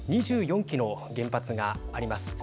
２４基の原発があります。